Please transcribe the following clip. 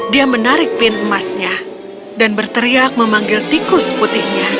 dia menarik pin emasnya dan berteriak memanggil tikus putihnya